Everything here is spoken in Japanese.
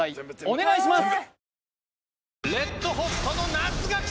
お願いします！